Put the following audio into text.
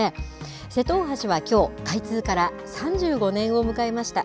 瀬戸大橋はきょう、開通から３５年を迎えました。